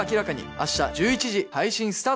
明日１１時配信スタート！